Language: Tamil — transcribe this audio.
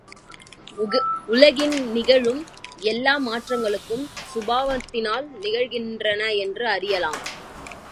உலகில் நிகழும் எல்லா மாற்றங்களும் சுபாவத்தினால் நிகழ்கின்றன என்று அறியலாம்.